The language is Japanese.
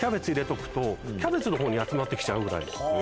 とくとキャベツのほうに集まって来ちゃうぐらい。